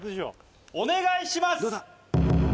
お願いします！